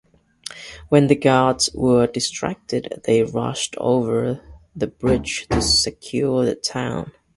When the guards were distracted they rushed over the bridge to secure the town.